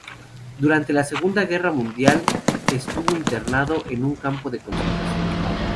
Durante la Segunda Guerra Mundial estuvo internado en un campo de concentración.